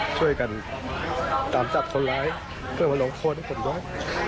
ช่วยกันตามจับคนร้ายเพื่อมาลงโทษให้คนร้าย